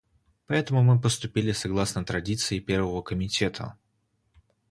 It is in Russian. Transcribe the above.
Поэтому мы поступили согласно традиции Первого комитета.